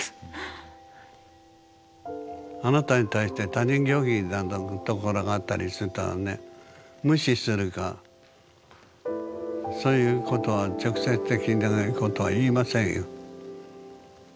あなたに対して他人行儀なところがあったりするとね無視するかそういうことは直接的なことは言いませんよ。